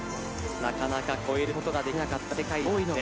なかなか越えることができなかった世界上位の壁。